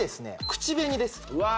口紅ですわ